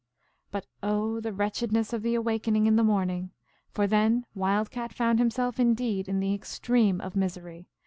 But oh, the wretchedness of the awaking in the morning ! For then Wild Cat found himself indeed in the extreme of misery.